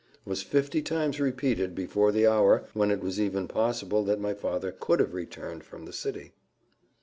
was fifty times repeated before the hour when it was even possible that my father could have returned from the city.